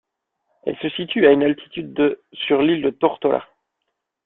Elle se situe à une altitude de sur l'île de Tortola.